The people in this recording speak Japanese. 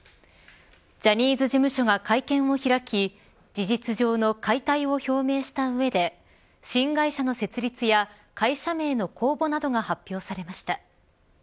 ジャニーズ事務所が会見を開き事実上の解体を表明した上で新会社の設立や会社名の公募などが発表されました。